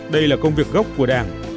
đây là công việc gốc của đảng